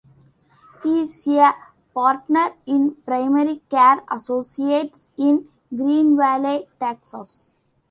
He is a partner in Primary Care Associates in Greenville, Texas.